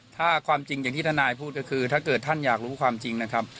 ถ้าความจริงอย่างที่ทนายพูดก็คือถ้าเกิดท่านอยากรู้ความจริงนะครับ